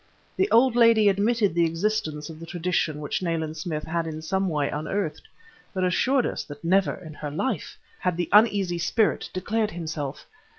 The old lady admitted the existence of the tradition which Nayland Smith had in some way unearthed, but assured us that never, in her time, had the uneasy spirit declared himself.